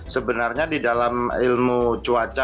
sebenarnya di dalam ilmu cuaca